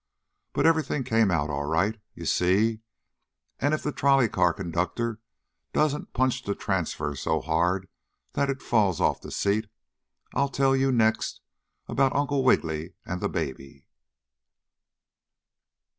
But everything came out all right, you see, and if the trolley car conductor doesn't punch the transfer so hard that it falls off the seat, I'll tell you next about Uncle Wiggily and the Baby.